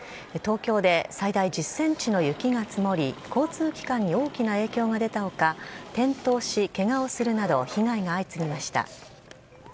東京で最大１０センチの雪が積もり、交通機関に大きな影響が出たほか、転倒し、けがをするなど、被害が相次ぎました。